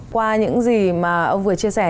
qua những gì mà ông vừa chia sẻ